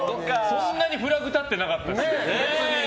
そんなにフラグ立ってなかったですけどね。